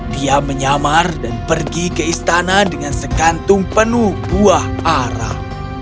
dia menyamar dan pergi ke istana dengan sekantung penuh buah arah